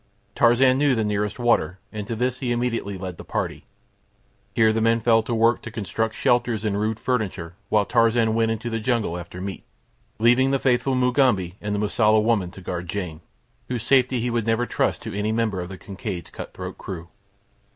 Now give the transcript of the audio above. Tarzan knew the nearest water, and to this he immediately led the party. Here the men fell to work to construct shelters and rude furniture while Tarzan went into the jungle after meat, leaving the faithful Mugambi and the Mosula woman to guard Jane, whose safety he would never trust to any member of the Kincaid's cut throat crew.